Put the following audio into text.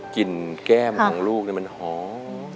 กลิ่นแก้มของลูกมันหอม